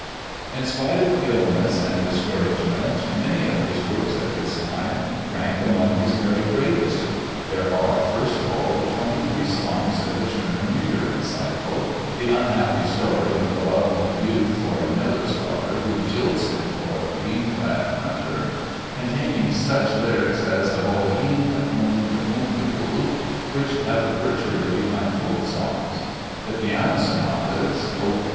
In spite of illness and discouragement many of his works at this time rank among his very greatest. There are, first of all, the 23 songs of the Schöne Müllerin cycle—the unhappy story of the love of a youth for a miller's daughter who jilts him for a green clad hunter—containing such lyrics as Wohin and Ungeduld, which have virtually become folksongs; the piano sonata, Op.